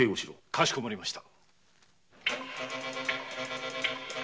かしこまりました。